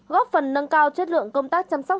góp phần nâng cao chất lượng công tác chăm sóc